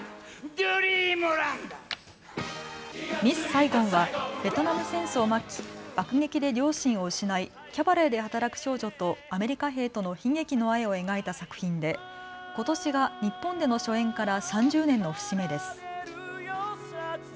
ミス・サイゴンはベトナム戦争末期爆撃で両親を失いキャバレーで働く少女とアメリカ兵との悲劇の愛を描いた作品でことしが日本での初演から３０年の節目です。